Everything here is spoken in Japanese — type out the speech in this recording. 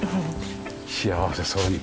幸せそうに。